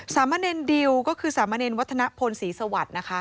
สามะเน็นดิวก็คือสามะเน็นวัฒนภนศรีสวรรค์นะคะ